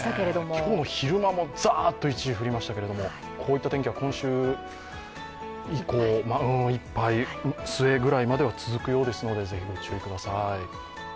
今日の昼間もざーっと一時、降りましたけどこういった天気は今週末ぐらいまでは続くようですので、ぜひご注意ください。